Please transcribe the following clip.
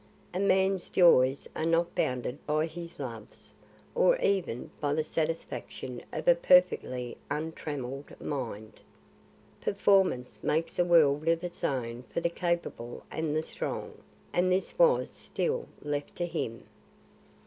A man's joys are not bounded by his loves or even by the satisfaction of a perfectly untrammelled mind. Performance makes a world of its own for the capable and the strong, and this was still left to him.